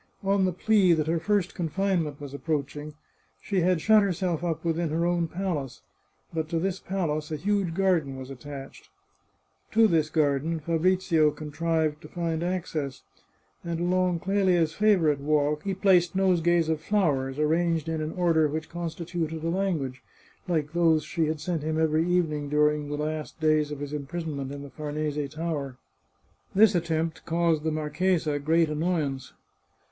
On the plea that her first confinement was approaching, she had shut herself up within her own palace ; but to this palace a huge garden was attached. To this garden Fabrizio contrived to find access, and along Clelia's favourite walk he placed nosegays of flowers, arranged in an order which constituted a language, like those she had sent him every evening during the last days of his imprisonment in the Farnese Tower. This attempt caused the marchesa great annoyance.